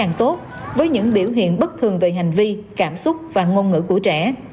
càng tốt với những biểu hiện bất thường về hành vi cảm xúc và ngôn ngữ của trẻ